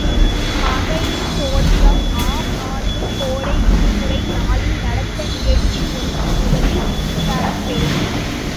பகையின் தோற்றம் ஆம் ஆண்டு கோடை விடுமுறை நாளில் நடந்த நிகழ்ச்சி ஒன்று முதலில் தரப்பெறும்.